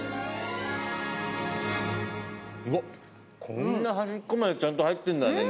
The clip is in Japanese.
こんな端っこまでちゃんと入ってんだね